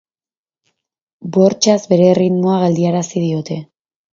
Bortxaz bere erritmoa geldiarazi diote.